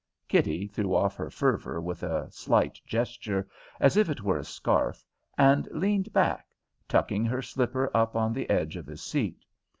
Kitty threw off her fervour with a slight gesture, as if it were a scarf, and leaned back, tucking her slipper up on the edge of his seat.